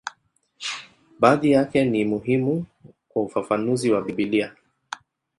Baadhi yake ni muhimu kwa ufafanuzi wa Biblia.